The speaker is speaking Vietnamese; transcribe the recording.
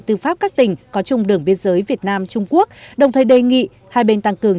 tư pháp các tỉnh có chung đường biên giới việt nam trung quốc đồng thời đề nghị hai bên tăng cường